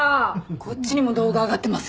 こっちにも動画上がってます。